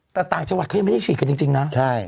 แต่ต่างจังหวัดเขายังไม่ได้ฉีดกันจริงนะ